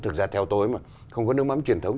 thực ra theo tôi mà không có nước mắm truyền thống